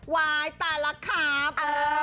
วายต่างหลักครับ